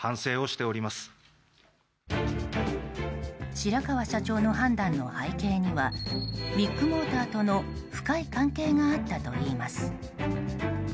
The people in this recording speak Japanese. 白川社長の判断の背景にはビッグモーターとの深い関係があったといいます。